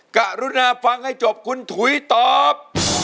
กรุณาฟังให้จบคุณถุยตอบ